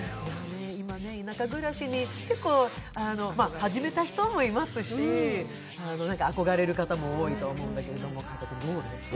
今、田舎暮らしに結構、始めた人もいますし憧れる人も多いと思うんだけどどうですかね？